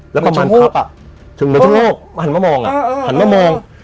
แล้วประมาณครบอ่ะหันมามองอ่ะหันมามอง